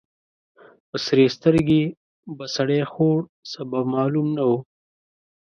په سرې سترګې به سړی خوړ. سبب معلوم نه و.